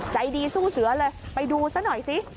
ใจดีสู้เสือเลยไปดูซะหน่อยสิ